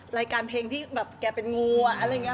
รายการเพลงที่แบบแกเป็นงูอ่ะอะไรอย่างนี้